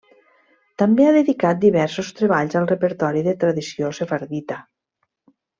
També ha dedicat diversos treballs al repertori de tradició sefardita.